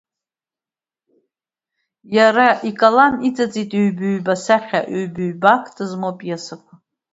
Иара икалам иҵыҵит ҩба-ҩба сахьа ҩба-ҩба акт змоу апиесақәа…